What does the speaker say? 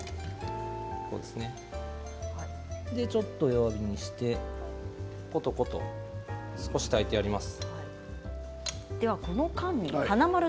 ちょっと弱火にしてことこと炊いてやります。